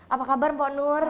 apa kabar mpok nur